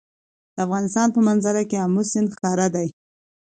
د افغانستان په منظره کې آمو سیند ښکاره ده.